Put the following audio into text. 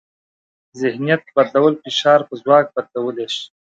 ذهنیت بدلول فشار په ځواک بدلولی شي.